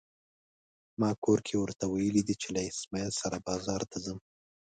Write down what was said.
ما کور کې ورته ويلي دي چې له اسماعيل سره بازار ته ځم.